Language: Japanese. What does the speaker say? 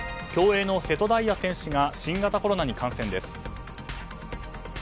競泳の瀬戸大也選手が新型コロナに感染です。